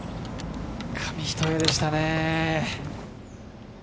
紙一重でしたね。